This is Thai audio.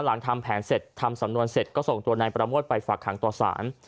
หลังทำแผนเสร็จทำสำนวนเสร็จก็ส่งตัวนายประโมทไปฝากหางต่อสาร